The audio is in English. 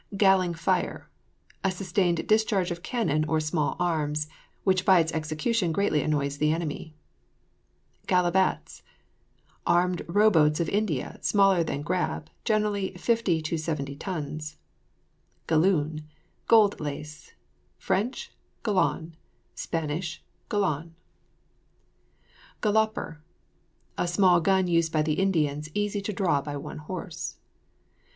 GALLING FIRE. A sustained discharge of cannon, or small arms, which by its execution greatly annoys the enemy. GALLIVATS. Armed row boats of India, smaller than a grab; generally 50 to 70 tons. GALLOON. Gold lace. [Fr. galon; Sp. galon.] GALLOPER. A small gun used by the Indians, easily drawn by one horse.